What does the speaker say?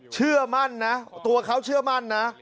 เชื่อมั่นนะตัวเขาเชื่อมั่นนะ